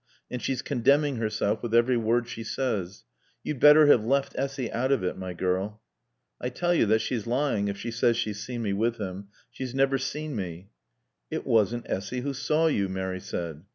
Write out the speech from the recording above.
And she's condemning herself with every word she says. You'd better have left Essy out of it, my girl." "I tell you that she's lying if she says she's seen me with him. She's never seen me." "It wasn't Essy who saw you," Mary said.